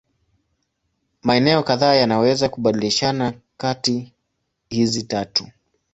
Maeneo kadhaa yanaweza kubadilishana kati hizi tatu.